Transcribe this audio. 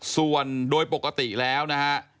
ส่วนโดยปกติแล้วนะฮะ